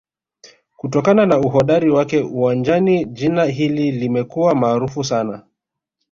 kutokana na uhodari wake uwanjani jina hili limekuwa maarufu sana